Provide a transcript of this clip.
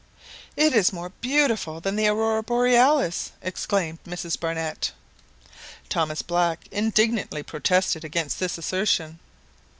"It is more beautiful than the Aurora Borealis!" exclaimed Mrs Barnett. Thomas Black indignantly protested against this assertion.